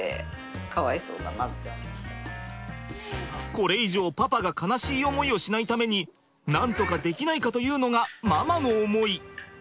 これ以上パパが悲しい思いをしないためになんとかできないかというのがママの思い。